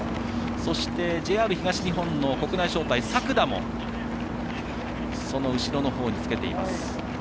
そして、ＪＲ東日本の国内招待作田もその後ろの方につけています。